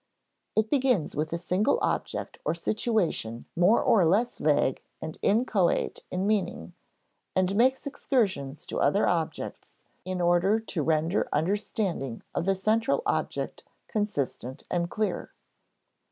It begins with a single object or situation more or less vague and inchoate in meaning, and makes excursions to other objects in order to render understanding of the central object consistent and clear.